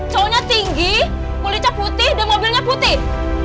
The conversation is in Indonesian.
cowoknya tinggi kulitnya putih dan mobilnya putih